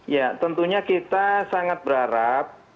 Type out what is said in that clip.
ya tentunya kita sangat berharap